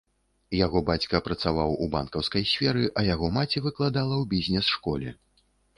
Яго бацька працаваў у банкаўскай сферы, а яго маці выкладала ў бізнес-школе.